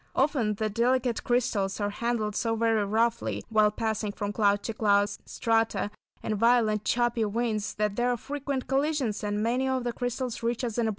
Often the delicate crystals are handled so very roughly while passing from cloud to cloud strata, and violent choppy winds, that there are frequent collisions and many of the crystals reach us in a broken, imperfect state.